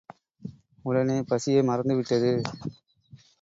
உடனே பசியை மறந்துவிட்டது.